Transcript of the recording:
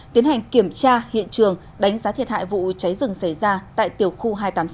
tiến hành kiểm tra hiện trường đánh giá thiệt hại vụ cháy rừng xảy ra tại tiểu khu hai trăm tám mươi sáu